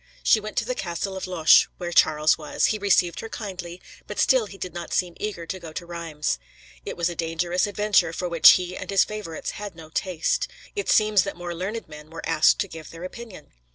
She went to the castle of Loches, where Charles was; he received her kindly, but still he did not seem eager to go to Reims. It was a dangerous adventure, for which he and his favorites had no taste. It seems that more learned men were asked to give their opinion.